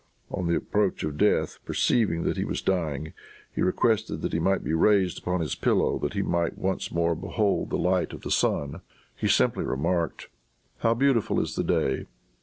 On the approach of death, perceiving that he was dying, he requested that he might be raised upon his pillow, that he might once more behold the light of the sun. He simply remarked, "How beautiful is the day!"